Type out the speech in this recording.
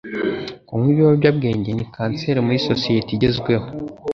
Kunywa ibiyobyabwenge ni kanseri muri sosiyete igezweho.